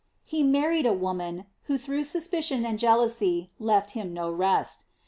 He married a woman, who through suspicion and jealousy left him no rest. Every * Ann.